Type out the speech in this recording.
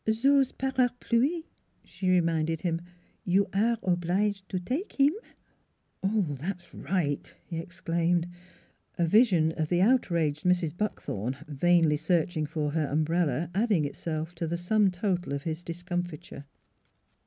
" Zose parapluie," she reminded him. " You aire oblige to take heem? "" That's right !" he exclaimed, a vision of the NEIGHBORS 281 outraged Mrs. Buckthorn, vainly searching for her umbrella, adding itself to the sum total of his discomfiture.